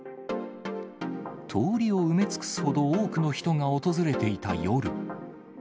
通りを埋め尽くすほど多くの人が訪れていた夜。